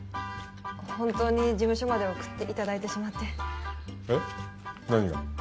本当に事務所まで送っていただいてしまってえっ何が？